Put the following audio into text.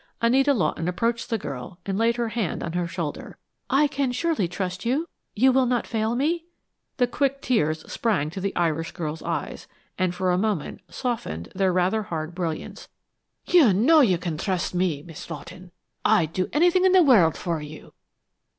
Anita Lawton approached the girl and laid her hand on her shoulder. "I can surely trust you? You will not fail me?" The quick tears sprang to the Irish girl's eyes, and for a moment softened their rather hard brilliance. "You know that you can trust me, Miss Lawton! I'd do anything in the world for you!"